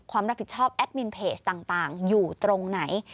ความรับผิดชอบแอดมินเพจต่างอยู่ตรงไหน